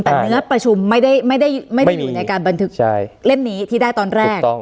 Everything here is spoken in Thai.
แต่เนื้อประชุมไม่ได้อยู่ในการบันทึกเล่มนี้ที่ได้ตอนแรก